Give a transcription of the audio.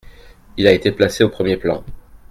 Il a été placé au premier plan.